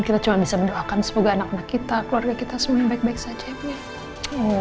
kita cuma bisa mendoakan semoga anak anak kita keluarga kita semua baik baik saja ya bu ya